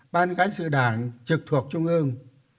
ban cán sự đảng trực thuộc trung ương